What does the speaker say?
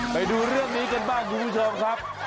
ไปดูเรื่องนี้กันบ้างคุณผู้ชมครับ